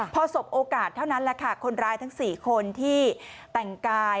พอสบโอกาสเท่านั้นแหละค่ะคนร้ายทั้ง๔คนที่แต่งกาย